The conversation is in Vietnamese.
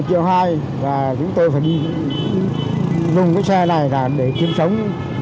một triệu hai và chúng tôi phải đi dùng cái xe này để kiếm sống